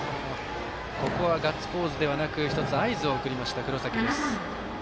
ここはガッツポーズではなく１つ、合図を送りました、黒崎。